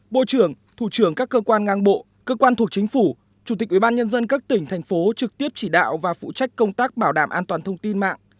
bộ trưởng thủ trưởng các cơ quan ngang bộ cơ quan thuộc chính phủ chủ tịch ubnd các tỉnh thành phố trực tiếp chỉ đạo và phụ trách công tác bảo đảm an toàn thông tin mạng